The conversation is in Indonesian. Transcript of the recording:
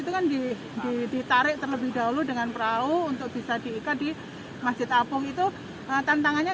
itu kan di ditarik terlebih dahulu dengan perahu untuk bisa diikat di masjid apung itu tantangannya